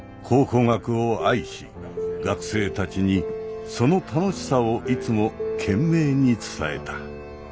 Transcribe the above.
考古学を愛し学生たちにその楽しさをいつも懸命に伝えた。